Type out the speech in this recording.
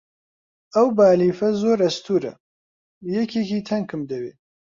ئەو بالیفە زۆر ئەستوورە، یەکێکی تەنکم دەوێ.